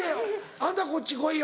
「あんたこっち来いよ」。